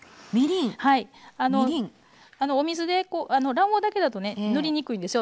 卵黄だけだとね塗りにくいんですよ